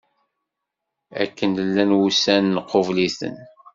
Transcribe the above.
Akken llan wussan nqubel-iten.